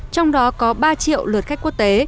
trong đó có ba triệu lượt khách quốc tế